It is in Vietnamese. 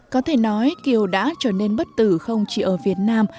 có thể nói kiều đã trở nên bất tử không chỉ ở việt nam